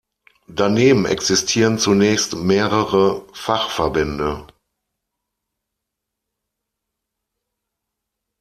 Daneben existierten zunächst mehrere Fachverbände.